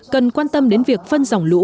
cần quan tâm đến việc phân dòng lũ